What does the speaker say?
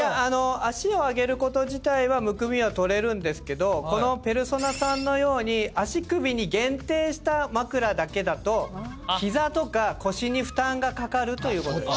足を上げること自体はむくみは取れるんですけどこのペルソナさんのように足首に限定した枕だけだと膝とか腰に負担がかかるということです。